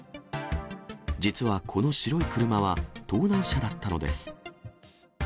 実はこの白い車は盗難車だったのです。